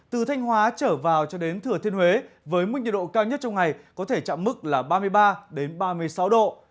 từ thanh hóa trở vào cho đến thừa thiên huế với mức nhiệt độ cao nhất trong ngày có thể chạm mức là ba mươi ba ba mươi sáu độ